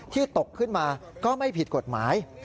ตกขึ้นมาก็ไม่ผิดกฎหมาย